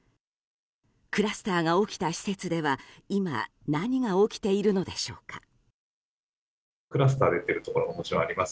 クラスターが起きた施設では今何が起きているのでしょうか。